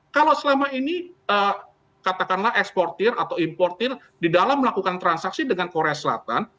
kalau selama ini katakanlah eksportir atau importer di dalam melakukan transaksi dengan korea selatan